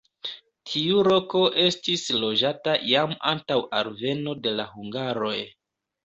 Tiu loko estis loĝata jam antaŭ alveno de la hungaroj.